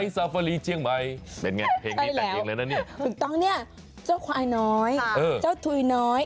สวรรค์ขวายหน้อยเจ้าถุยน้อย